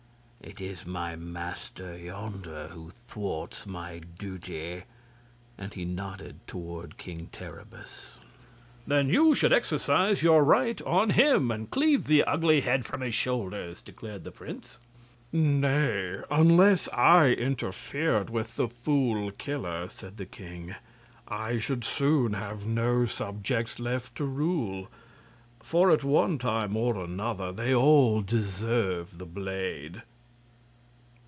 It is my master, yonder, who thwarts my duty." And he nodded toward King Terribus. "Then you should exercise your right on him, and cleave the ugly head from his shoulders," declared the prince. "Nay, unless I interfered with the Fool Killer," said the king, "I should soon have no subjects left to rule; for at one time or another they all deserve the blade."